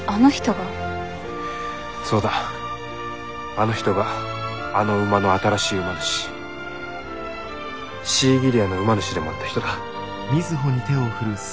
あの人があの馬の新しい馬主シーギリアの馬主でもあった人だ。